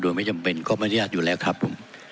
โดยไม่จำเป็นก็ไม่อนุญาตอยู่แล้วครับผม